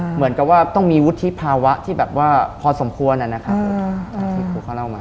เหมือนกับว่าต้องมีวุฒิภาวะที่แบบว่าพอสมควรนะครับที่ครูเขาเล่ามา